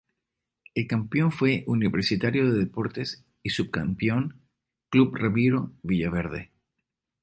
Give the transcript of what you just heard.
El campeón fue Universitario de Deportes y subcampeón Club Ramiro Villaverde.